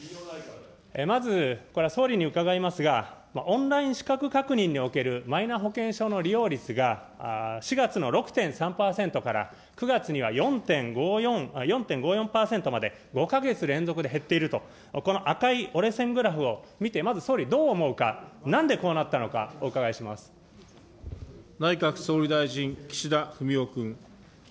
まずこれは総理に伺いますが、オンライン資格確認におけるマイナ保険証の利用率が４月の６．３％から９月には４．５４％まで５か月連続で減っていると、この赤い折れ線グラフを見て、まず総理、どう思うか、なんでこう内閣総理大臣、岸田文雄君。